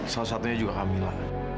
salah satunya juga kamila